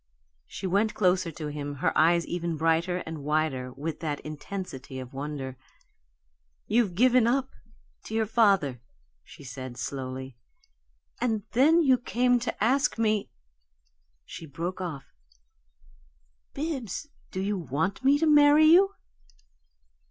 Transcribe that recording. She went closer to him, her eyes ever brighter and wider with that intensity of wonder. "You've given up to your father," she said, slowly, "and then you came to ask me " She broke off. "Bibbs, do you want me to marry you?"